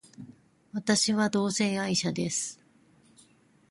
私は同性愛者です。